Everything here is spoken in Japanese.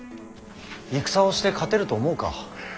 戦をして勝てると思うか。